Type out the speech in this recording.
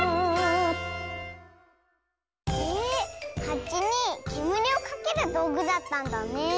へえハチにけむりをかけるどうぐだったんだね。